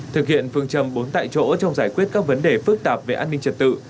thực hiện phương châm bốn tại chỗ trong giải quyết các vấn đề phức tạp về an ninh trật tự